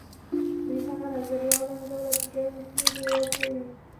دوی هغه نظریه وننګوله چې ګرمې سیمې بېوزله دي.